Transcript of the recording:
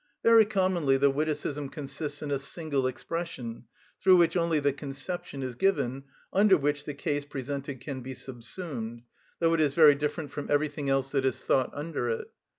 Very commonly the witticism consists in a single expression, through which only the conception is given, under which the case presented can be subsumed, though it is very different from everything else that is thought under it.